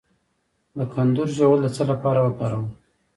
د کندر ژوول د څه لپاره وکاروم؟